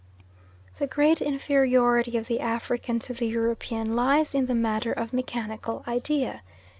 The great inferiority of the African to the European lies in the matter of mechanical idea.